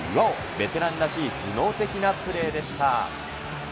ベテランらしい頭脳的なプレーでした。